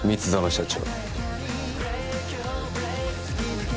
社長！